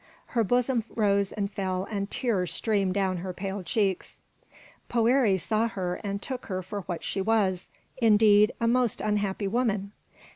Her bosom rose and fell and tears streamed down her pale cheeks. Poëri saw her and took her for what she was, indeed, a most unhappy woman.